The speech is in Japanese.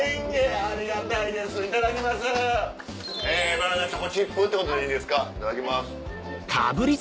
バナナチョコチップってことでいいですかいただきます。